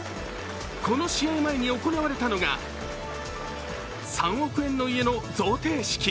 この試合前に行われたのが３億円の家の贈呈式。